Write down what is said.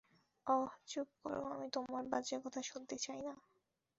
ওহ, চুপ করো, আমি তোমার, বাজে কথা শুনতে চাই না।